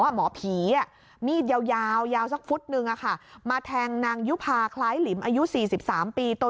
หมอผีอ่ะมีดยาวยาวยาวสักฟุตหนึ่งอ่ะค่ะมาแทงนางยุภาคล้ายหลิมอายุสี่สิบสามปี